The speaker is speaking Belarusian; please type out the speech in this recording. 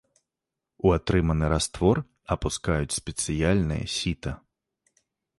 У атрыманы раствор апускаюць спецыяльнае сіта.